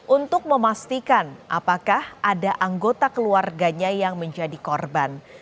untuk memastikan apakah ada anggota keluarganya yang menjadi korban